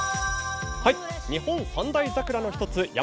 日本三大桜の一つ山